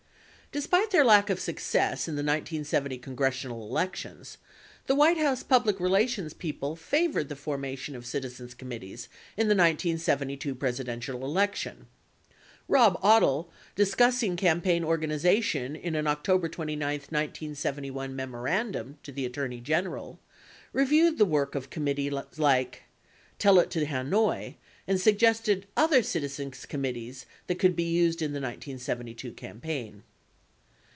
74 Despite their lack of success in the 1970 congressional elections, the White House public relations people favored the formation of citizens committees in the 1972 Presidential election. Rob Odle, discussing campaign organization in an October 29, 1971, memorandum to the Attorney General, reviewed the work of committees like "Tell It to Hanoi" and suggested other citizens committees that could be used in the 1972 campaign.